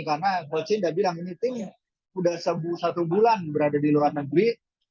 karena hoeksin sudah bilang ini tim sudah satu bulan berada di luar negeri